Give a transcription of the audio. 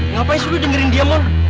ngapain sih lo dengerin dia mon